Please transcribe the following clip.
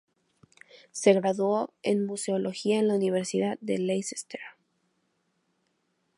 Se graduó en Museología en la Universidad de Leicester.